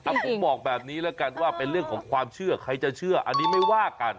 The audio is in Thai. ผมบอกแบบนี้แล้วกันว่าเป็นเรื่องของความเชื่อใครจะเชื่ออันนี้ไม่ว่ากัน